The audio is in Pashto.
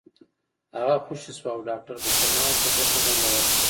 هغه خوشې شو او داکتر بشرمل ورته بېرته دنده ورکړه